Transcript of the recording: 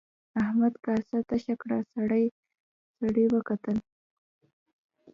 احمد کاسه تشه کړه سړي وکتل.